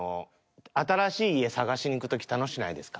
新しい家探しに行く時楽しないですか？